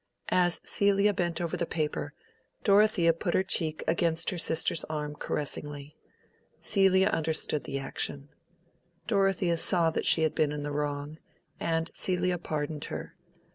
As Celia bent over the paper, Dorothea put her cheek against her sister's arm caressingly. Celia understood the action. Dorothea saw that she had been in the wrong, and Celia pardoned her.